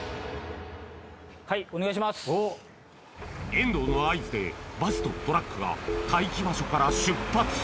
遠藤の合図でバスとトラックが待機場所から出発